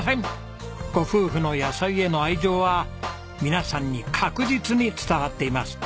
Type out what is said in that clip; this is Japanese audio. ご夫婦の野菜への愛情は皆さんに確実に伝わっています。